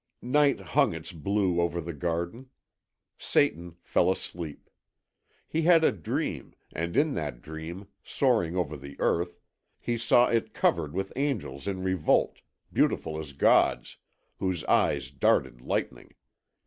Night hung its blue over the garden. Satan fell asleep. He had a dream, and in that dream, soaring over the earth, he saw it covered with angels in revolt, beautiful as gods, whose eyes darted lightning.